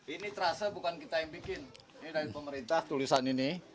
ini terasa bukan kita yang bikin ini dari pemerintah tulisan ini